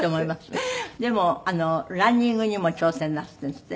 でもランニングにも挑戦なすってるんですって？